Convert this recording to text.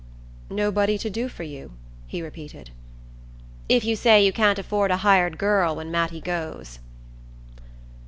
"Nobody to do for you?" he repeated. "If you say you can't afford a hired girl when Mattie goes."